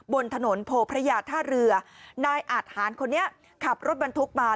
บนถนนโพพระยาท่าเรือนายอาทหารคนนี้ขับรถบรรทุกมา